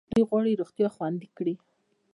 دوی غواړي روغتیا خوندي کړي.